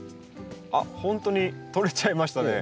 あっほんとに取れちゃいましたね。